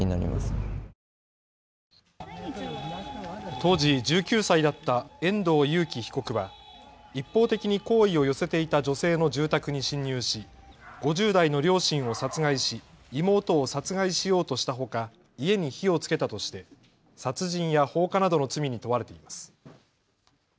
当時１９歳だった遠藤裕喜被告は一方的に好意を寄せていた女性の住宅に侵入し、５０代の両親を殺害し妹を殺害しようとしたほか家に火をつけたとして殺人や放火などの罪に問われています。